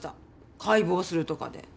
解剖するとかで。